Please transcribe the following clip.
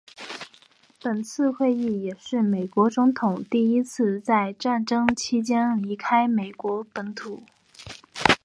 本次会议也是美国总统第一次在战争期间离开了美国本土。